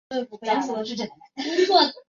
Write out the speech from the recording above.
小桃纻